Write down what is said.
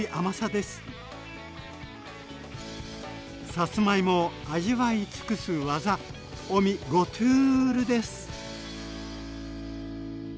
さつまいもを味わい尽くす技おみゴトゥールです！